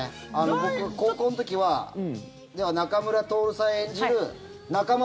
僕、高校の時は仲村トオルさん演じる中間